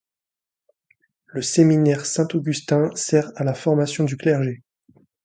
Le séminaire Saint-Augustin sert à la formation du clergé.